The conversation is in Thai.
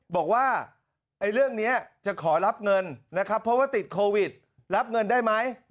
บอกว่าเรื่องนี้จะขอรับเงินนะครับเพราะว่าติดโควิดรับเงินได้ไหม